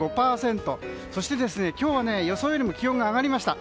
そして今日は予想よりも気温が上がりました。